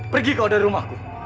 pergi kau dari rumahku